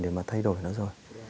để mà thay đổi nó rồi